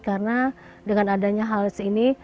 karena dengan adanya hals ini